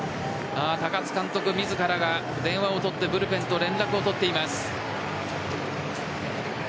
高津監督自らが電話を取ってブルペンと連絡を取っています。